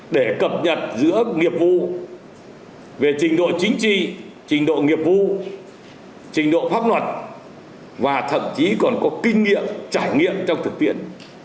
để cập nhật giữa nghiệp vụ về trình độ chính trị trình độ nghiệp vụ trình độ pháp luật và thậm chí còn có kinh nghiệm trải nghiệm trong thực tiễn